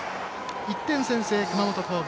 １点先制、熊本工業。